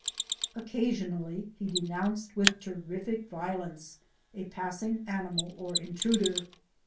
Occasionally he denounced with terrific violence a passing animal or intruder.